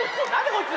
こいつ。